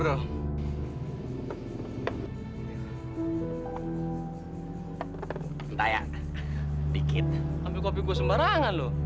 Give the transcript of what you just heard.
entah ya dikit ambil kopi gue sembarangan loh